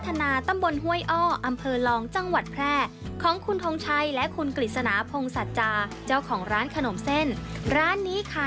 คือว่าบีบเอามาจากเตาแล้วก็ล่างน้ำแล้วก็ขึ้นมาต้องจับเป็นหัวนะคะ